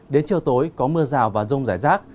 đến chiều tối có mưa rào và rông rải rác